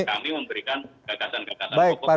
kami memberikan gagasan gagasan